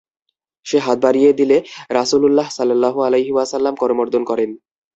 সে হাত বাড়িয়ে দিলে রাসূলুল্লাহ সাল্লাল্লাহু আলাইহি ওয়াসাল্লাম করমর্দন করেন।